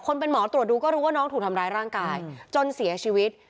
เป็นหมอตรวจดูก็รู้ว่าน้องถูกทำร้ายร่างกายจนเสียชีวิต